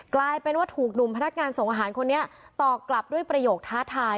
กลายเป็นว่าถูกหนุ่มพนักงานส่งอาหารคนนี้ตอบกลับด้วยประโยคท้าทาย